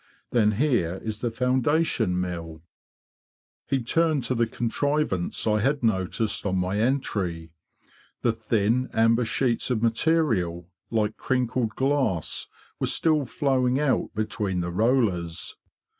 Then here is the foundation mill." _He turned to the contrivance I had noticed on my entry. The thin amber sheets of material, like crinkled glass, were still flowing out between the rollers.